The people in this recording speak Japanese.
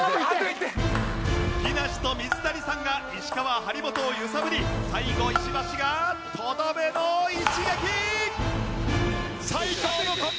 木梨と水谷さんが石川張本を揺さぶり最後石橋がとどめの一撃！